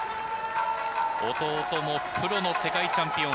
弟もプロの世界チャンピオン。